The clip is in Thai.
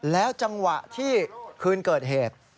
แล้วจังหวะที่คืนเกิดเหตุ